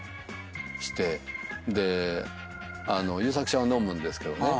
優作ちゃんは飲むんですけどね